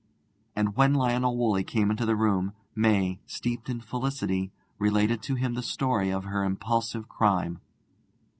And when Lionel Woolley came into the room, May, steeped in felicity, related to him the story of her impulsive crime.